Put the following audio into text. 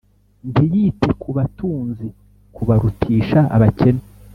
ntiyite ku batunzi kubarutisha abakene,